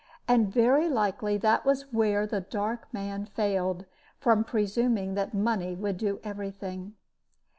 And very likely that was where the dark man failed, from presuming that money would do every thing.